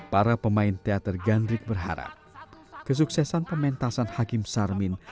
para pemain teater gandrik berharap kesuksesan pementasan hakim sarmin